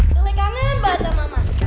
selek kangen baca mama